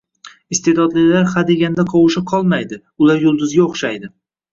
Iste’dodlilar hadeganda qovusha qolmaydi. Ular yulduzga o’xshaydi.